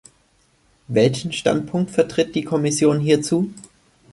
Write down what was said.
Welchen Standpunkt vertritt die Kommission hierzu?